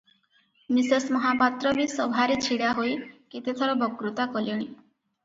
Mrs Mohapatra ବି ସଭାରେ ଛିଡ଼ା ହୋଇ କେତେଥର ବକ୍ତୃତା କଲେଣି ।